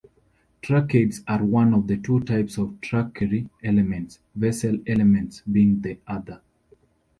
Tracheids are one of two types of tracheary elements, vessel elements being the other.